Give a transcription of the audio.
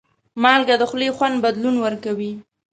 مالګه د خولې خوند بدلون ورکوي.